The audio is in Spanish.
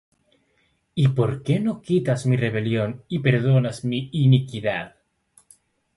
¿Y por qué no quitas mi rebelión, y perdonas mi iniquidad?